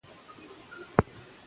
ځان پوهول چې څه غواړئ مهم دی.